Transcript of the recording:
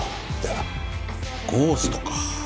ゴーストか。